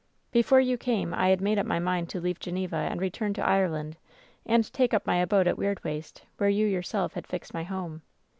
^" 'Before you came I had made up my mind to leave Geneva and return to Ireland and take up my abode at Weirdwaste, where you yourself had fixed my home.